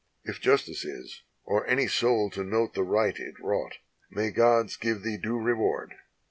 If justice is, or any soul to note the right it wrought, May the gods give thee due reward.